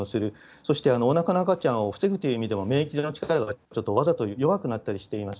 そしておなかの赤ちゃんを防ぐという意味でも、免疫の力がわざと弱くなったりしています。